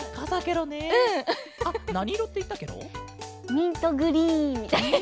ミントグリーンみたいな。